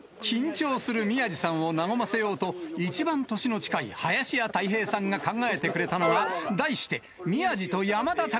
緊張する宮治さんを和ませようと、一番年の近い林家たい平さんが考えてくれたのは、題して、あれ？